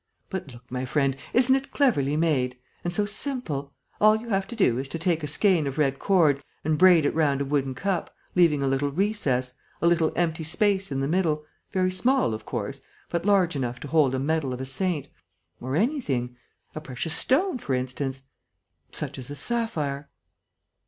But look, my friend, isn't it cleverly made? And so simple! All you have to do is to take a skein of red cord and braid it round a wooden cup, leaving a little recess, a little empty space in the middle, very small, of course, but large enough to hold a medal of a saint ... or anything.... A precious stone, for instance.... Such as a sapphire...."